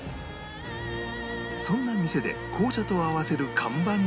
そんな店で紅茶と合わせる看板商品が